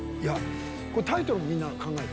タイトルもみんな考えた？